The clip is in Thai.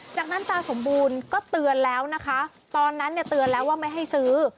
จากนั้นตาสมบูรณ์ก็เตือนแล้วนะคะตอนนั้นเนี่ยเตือนแล้วว่าไม่ให้ซื้อ